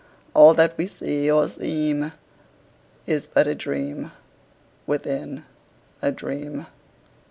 All that we see or seem Is but a dream within a dream.